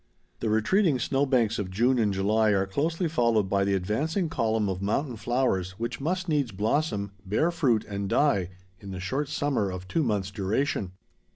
The retreating snow banks of June and July are closely followed by the advancing column of mountain flowers which must needs blossom, bear fruit, and die in the short summer of two months duration.